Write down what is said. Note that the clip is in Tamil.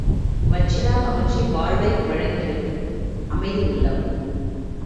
வற்றிடா மகிழ்ச்சி வாழ்வை வழங்கிடும் அமைதி உள்ளம்.